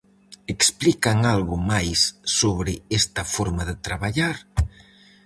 Explican algo máis sobre esta forma de traballar?